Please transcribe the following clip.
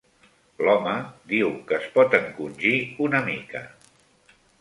L'home diu que es pot encongir una mica.